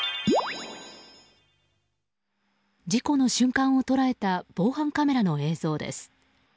事故の瞬間を捉えた防犯カメラの映像です。